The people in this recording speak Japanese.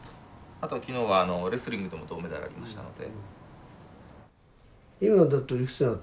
あとは昨日はレスリングでも銅メダルありましたので。